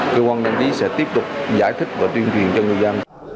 cơ quan đăng ký sẽ tiếp tục giải thích và tuyên truyền cho người dân